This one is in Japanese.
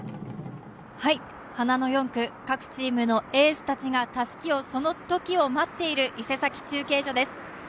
花の４区、各チームのエースたちがたすきを待っている伊勢崎中継所です。